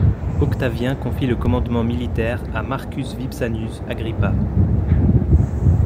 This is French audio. Octavien confie le commandement militaire à Marcus Vipsanius Agrippa.